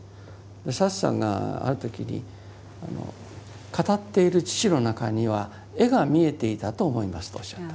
サツさんがある時に語っている父の中には絵が見えていたと思いますとおっしゃった。